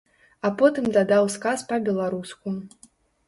А потым дадаў сказ па-беларуску.